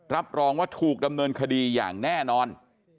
รับรองว่าถูกดำเนินคดีอย่างแน่นอน